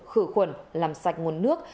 khử khuẩn làm sạch nguồn nước